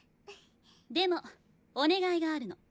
でもお願いがあるの。